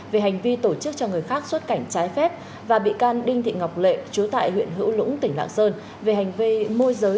về hành vi tổ chức trong tỉnh lào cai